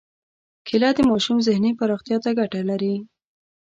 کېله د ماشوم ذهني پراختیا ته ګټه لري.